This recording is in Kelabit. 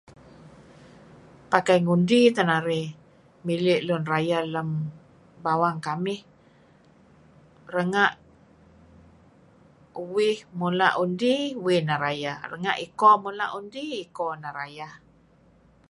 Pakai ngundi teh narih mili' lun rayeh lem bawang kamih. Renga'... uih mula' undi uih neh rayeh. Renga' iko mula' undi iko neh rayeh.